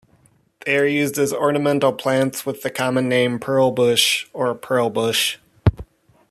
They are used as ornamental plants with the common name pearl bush, or pearlbush.